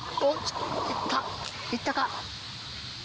いったか？